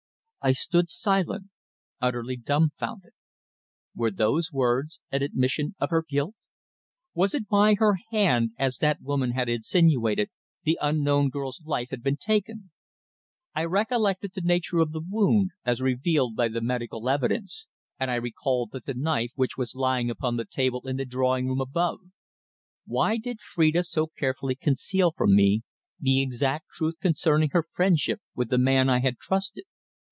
I stood silent, utterly dumbfounded. Were those words an admission of her guilt? Was it by her hand, as that woman had insinuated, the unknown girl's life had been taken? I recollected the nature of the wound, as revealed by the medical evidence, and I recalled that knife which was lying upon the table in the drawing room above. Why did Phrida so carefully conceal from me the exact truth concerning her friendship with the man I had trusted?